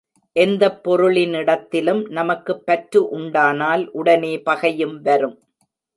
எந்தப் பொருளினிடத்திலும் நமக்குப் பற்று உண்டானால் உடனே பகையும் வரும்.